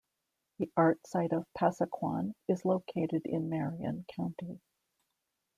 The art site of Pasaquan is located in Marion County.